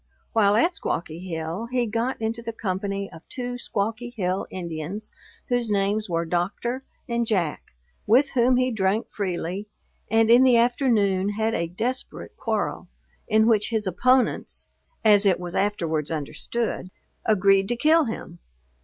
While at Squawky Hill he got into the company of two Squawky Hill Indians, whose names were Doctor and Jack, with whom he drank freely, and in the afternoon had a desperate quarrel, in which his opponents, (as it was afterwards understood,) agreed to kill him.